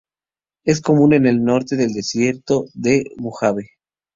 Es común en el norte del desierto de Mojave.